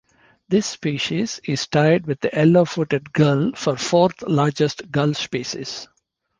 This species is tied with the Yellow-footed Gull for fourth largest gull species.